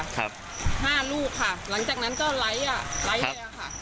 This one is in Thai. ครับห้าลูกค่ะหลังจากนั้นก็ไลค์อ่ะไลค์เลยอ่ะค่ะ